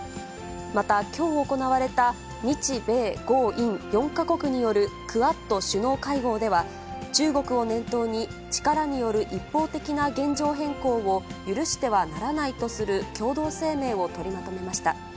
また、きょう行われた日米豪印４か国によるクアッド首脳会合では、中国を念頭に力による一方的な現状変更を許してはならないとする共同声明を取りまとめました。